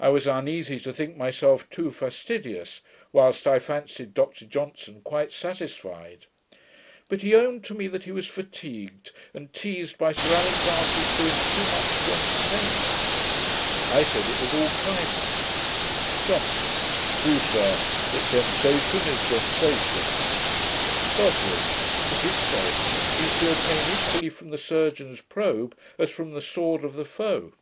I was uneasy to think myself too fastidious, whilst I fancied Dr Johnson quite satisfied. But he owned to me that he was fatigued and teased by Sir Alexander's doing too much to entertain him. I said, it was all kindness. JOHNSON. 'True, sir: but sensation is sensation.' BOSWELL. 'It is so: we feel pain equally from the surgeon's probe, as from the sword of the foe.'